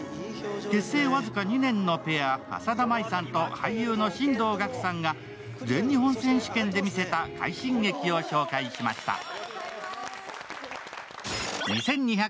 結成僅か２年のペア、浅田舞さんと俳優の進藤学さんが全日本選手権で見せた快進撃を紹介しました。